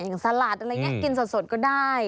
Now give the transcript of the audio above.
อย่างสาลาดอะไรอย่างนี้กินสดก็ได้